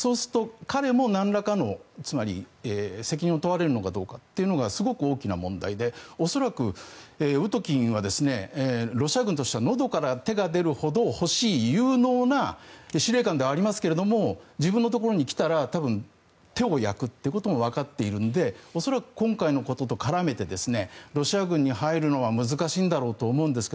そうすると彼もなんらかの責任を問われるのかということがすごく大きな問題で恐らくウトキンはロシア軍としてはのどから手が出るほど欲しい有能な司令官ではありますが自分のところに来たら手を焼くこともわかっているので恐らく、今回のことと絡めてロシア軍に入るのは難しいんだろうと思うんですが